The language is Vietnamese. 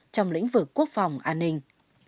trong lĩnh vực quốc phòng an ninh